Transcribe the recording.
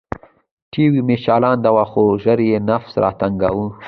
ټي وي مې چالاناوه خو ژر يې نفس راتنګاوه.